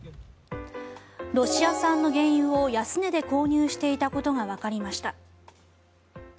ロシア産の原油を安値で購入していたことがわかりました。